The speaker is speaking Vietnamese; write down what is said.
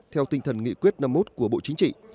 theo tinh thần nghị quyết năm mươi một của bộ chính trị